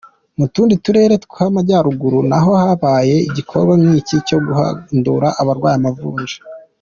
Mu tundi turere tw’amajyaruguru naho habaye igikorwa nk’iki cyo guhandura abarwaye amavunja.